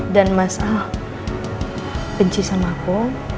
dan mas al benci sama aku